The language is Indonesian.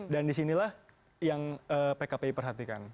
dan disinilah yang pkpi perhatikan